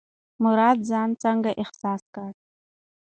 مراد ځان څنګه احساس کړ؟